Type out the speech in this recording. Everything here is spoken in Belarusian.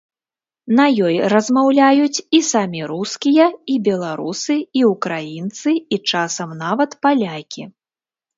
На ёй размаўляюць і самі рускія, і беларусы, і ўкраінцы, і часам нават палякі.